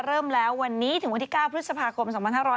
เริ่มแล้ววันนี้ถึงวันที่๙พฤษภาคม๒๕๖๐